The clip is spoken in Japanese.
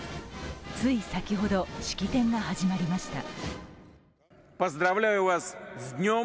つい先ほど、式典が始まりました。